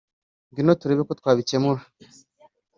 Ngwino turebe ko twabikemura